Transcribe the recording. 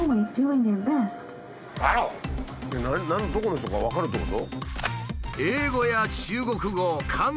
どこの人か分かるってこと？